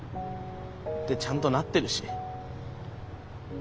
でちゃんとなってるし。